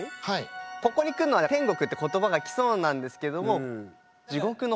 ここに来んのは天国って言葉が来そうなんですけども「地獄の方が」。